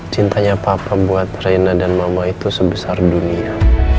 cintanya papa buat raina dan mama itu sebesar dunia